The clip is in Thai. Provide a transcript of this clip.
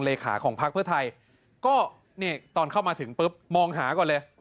เลขาของพักเพื่อไทยก็นี่ตอนเข้ามาถึงปุ๊บมองหาก่อนเลย